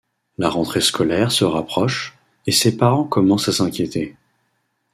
La rentrée scolaire se rapproche, et ses parents commencent à s'inquiéter.